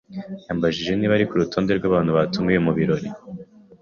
yambajije niba ari kurutonde rwabantu batumiwe mubirori.